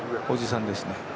おじさんですね。